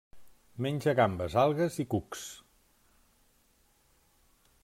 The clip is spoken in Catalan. Menja gambes, algues i cucs.